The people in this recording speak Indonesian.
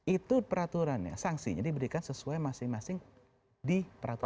itu peraturannya sanksinya diberikan sesuai masing masing di peraturan